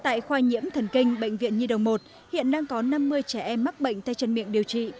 tại khoa nhiễm thần kinh bệnh viện nhi đồng một hiện đang có năm mươi trẻ em mắc bệnh tay chân miệng điều trị